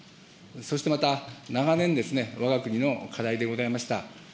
そしてまた、長年、わが国の課題でございました